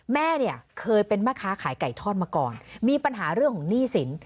แม่เนี่ยเคยเป็นแม่ค้าขายไก่ทอดมาก่อนมีปัญหาเรื่องของหนี้สิน